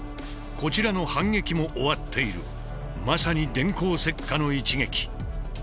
こちらの反撃も終わっているまさに電光石火の一撃。